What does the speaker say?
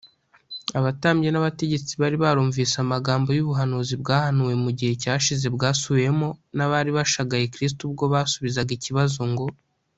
abatambyi n’abategetsi bari barumvise amagambo y’ubuhanuzi bwahanuwe mu gihe cyashize bwasubiwemo n’abari bashagaye kristo ubwo basubizaga ikibazo ngo,